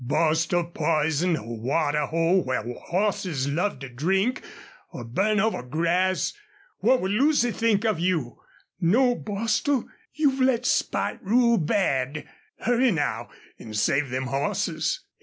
Bostil poison a water hole where hosses loved to drink, or burn over grass! ... What would Lucy think of you? ... No, Bostil, you've let spite rule bad. Hurry now and save them hosses!"